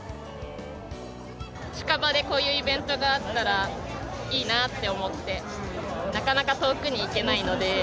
近場でこういうイベントがあったらいいなって思って、なかなか遠くに行けないので。